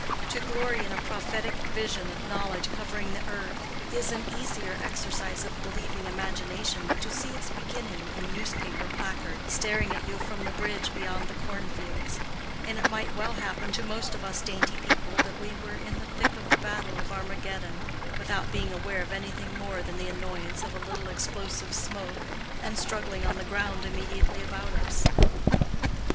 To glory in a prophetic vision of knowledge covering the earth, is an easier exercise of believing imagination than to see its beginning in newspaper placards, staring at you from the bridge beyond the corn fields; and it might well happen to most of us dainty people that we were in the thick of the battle of Armageddon without being aware of anything more than the annoyance of a little explosive smoke and struggling on the ground immediately about us.